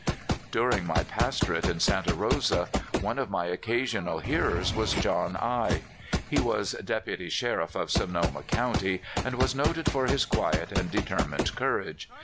During my pastorate at Santa Rosa one of my occasional hearers was John I . He was dep uty sheriff of Sonoma County, and was noted for his quiet and determined courage.